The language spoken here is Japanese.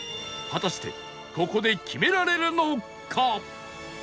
果たしてここで決められるのか？